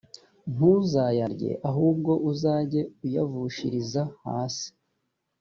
ntuzayarye ahubwo uzajye uyavushiriza hasi